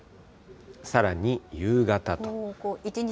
さらに夕方と。